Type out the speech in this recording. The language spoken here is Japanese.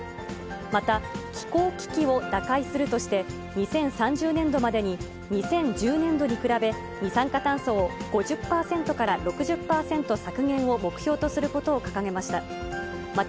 また気候危機を打開するとして、２０３０年度までに２０１０年度に比べ、二酸化炭素を５０％から６０％削減を目標とすることを掲げました。